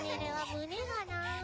胸がなあ。